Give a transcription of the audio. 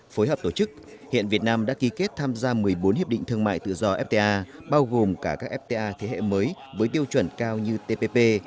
phối hợp tổ chức hiện việt nam đã ký kết tham gia một mươi bốn hiệp định thương mại tự do fta bao gồm cả các fta thế hệ mới với tiêu chuẩn cao như tpp